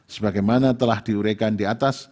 sebagaimana telah diuraikan di atas